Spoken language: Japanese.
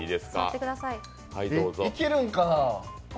いけるんかなあ。